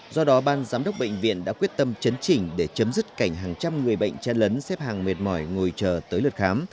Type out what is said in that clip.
do đó ban giám đốc bệnh viện đã quyết tâm chấn chỉnh để chấm dứt cảnh hàng trăm người bệnh chen lấn xếp hàng mệt mỏi ngồi chờ tới lượt khám